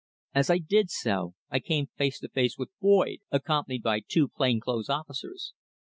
As I did so, I came face to face with Boyd, accompanied by two plain clothes officers.